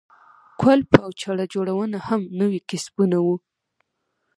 کولپ او چړه جوړونه هم نوي کسبونه وو.